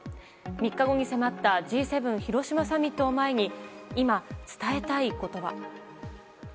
３日後に迫ったＧ７広島サミットを前に今、伝えたいことは？